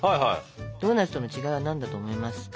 ドーナツとの違いは何だと思いますか？